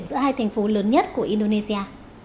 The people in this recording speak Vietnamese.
giữa hai thành phố lớn nhất của indonesia